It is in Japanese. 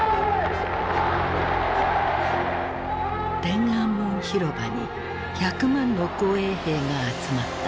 天安門広場に１００万の紅衛兵が集まった。